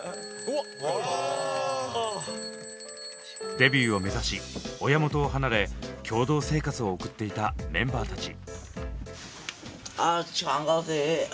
デビューを目指し親元を離れ共同生活を送っていたメンバーたち。